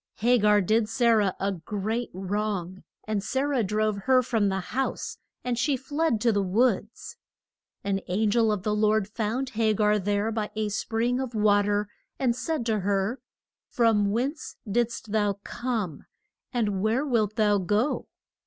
Ha gar did Sa rah a great wrong, and Sa rah drove her from the house, and she fled to the woods. An an gel of the Lord found Ha gar there by a spring of wa ter, and said to her, From whence didst thou come? and where wilt thou go?